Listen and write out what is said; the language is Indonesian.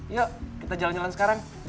yuk kita jalan jalan sekarang